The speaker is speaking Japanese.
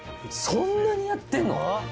そんなにやってんの？